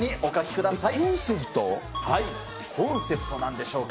コンセプト、なんでしょうか。